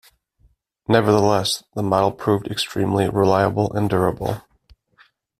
Nevertheless, the model proved extremely reliable and durable.